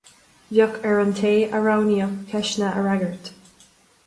Bheadh ar an té a roghnaíodh ceisteanna a fhreagairt.